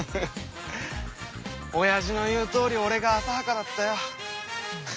親父の言うとおり俺が浅はかだったよ。